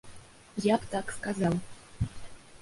Я б так сказаў.